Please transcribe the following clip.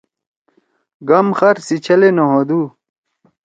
گام خار سی چھلے نوہودُو۔